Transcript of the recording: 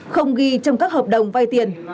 không ghi trong các hợp đồng vay tiền